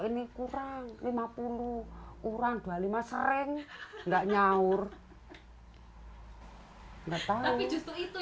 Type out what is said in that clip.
lebih kurang lima puluh orang dua puluh lima sering enggak nyaur hai betul itu yang bikin inget ya pak ya strategi itu